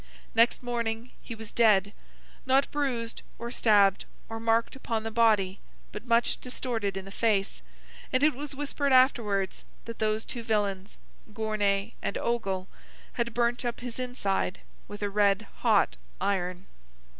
Next morning he was dead—not bruised, or stabbed, or marked upon the body, but much distorted in the face; and it was whispered afterwards, that those two villains, Gournay and Ogle, had burnt up his inside with a red hot iron.